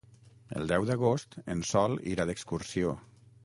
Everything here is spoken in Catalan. El deu d'agost en Sol irà d'excursió.